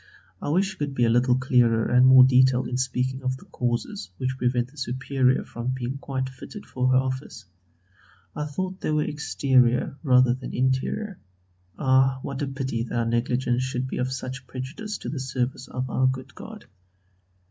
I wish you could be a little clearer and more detailed in speaking of the causes which prevent the Superior from being quite fitted for her office; I thought they were exterior rather than interior. Ah! what a pity that our negligence should be of such prejudice to the service of our good God.